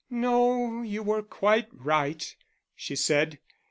"No, you were quite right," she said.